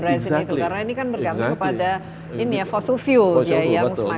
karena ini kan bergantung kepada ini ya fossil fuel